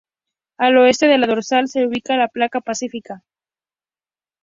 Al Oeste de la dorsal se ubica la Placa Pacífica.